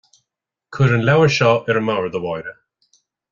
Cuir an leabhar seo ar an mbord, a Mháire